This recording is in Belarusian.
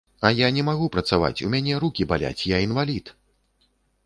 А я не магу працаваць, у мяне рукі баляць, я інвалід!